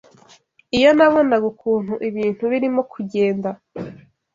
Iyo nabonaga ukuntu ibintu birimo kugenda